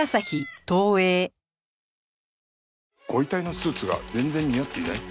ご遺体のスーツが全然似合っていない？